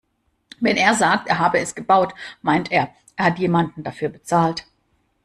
Wenn er sagt, er habe es gebaut, meint er, er hat jemanden dafür bezahlt.